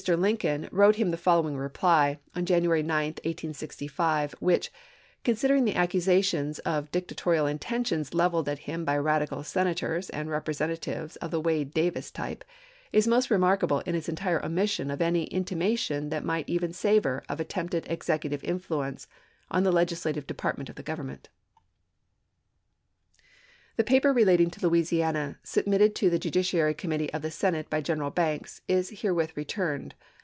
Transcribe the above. Lincoln wrote him the following reply, on January 9, 1865, which, considering the accusations of dictatorial intentions leveled at him by radical Senators and Representatives of the Wade Davis type, is most re markable in its entire omission of any intimation that might even savor of attempted Executive influence on the Legislative Department of the Government : The paper relating to Louisiana, submitted to the ju diciary committee of the Senate by General Banks, is herewith returned.